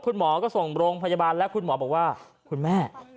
คุณหมอก็ส่งโรงพยาบาลแล้วคุณหมอบอกว่าคุณแม่